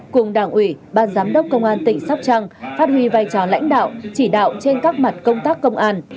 cùng đảng ủy ban giám đốc công an tỉnh sóc trăng phát huy vai trò lãnh đạo chỉ đạo trên các mặt công tác công an